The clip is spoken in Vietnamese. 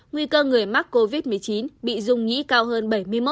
nguy cơ người mắc covid một mươi chín bị dung nhĩ cao hơn bảy mươi một